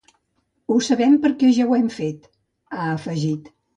“Ho sabem perquè ja ho hem fet”, ha afegit.